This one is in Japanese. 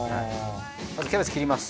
まずキャベツ切ります。